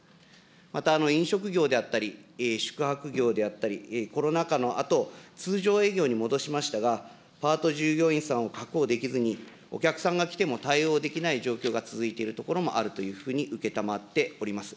また飲食業であったり、宿泊業であったり、コロナ禍のあと、通常営業に戻しましたが、パート従業員さんを確保できずに、お客さんが来ても対応できない状況が続いているところもあるというふうに承っております。